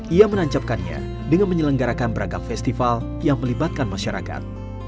ia menancapkannya dengan menyelenggarakan beragam festival yang melibatkan masyarakat